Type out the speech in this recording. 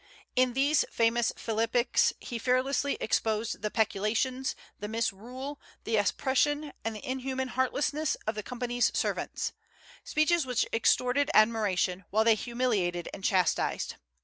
In these famous philippics, he fearlessly exposed the peculations, the misrule, the oppression, and the inhuman heartlessness of the Company's servants, speeches which extorted admiration, while they humiliated and chastised.